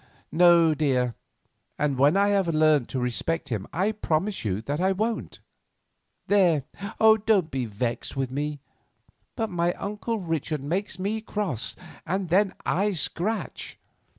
"No, dear, and when I have learnt to respect him I promise you that I won't. There, don't be vexed with me; but my uncle Richard makes me cross, and then I scratch.